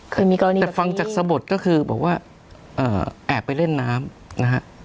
เคยมีกรณีแต่ฟังจากสะบดก็คือบอกว่าเอ่อแอบไปเล่นน้ำนะฮะ